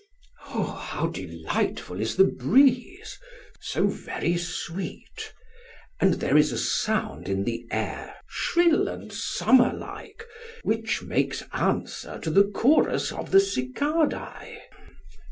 How delightful is the breeze: so very sweet; and there is a sound in the air shrill and summerlike which makes answer to the chorus of the cicadae.